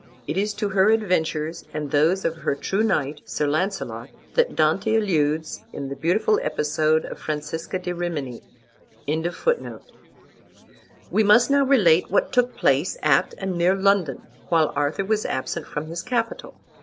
It is to her adventures, and those of her true knight, Sir Launcelot, that Dante alludes in the beautiful episode of Francesca di Rimini.] We must now relate what took place at and near London, while Arthur was absent from his capital.